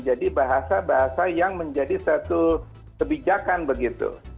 jadi bahasa bahasa yang menjadi satu kebijakan begitu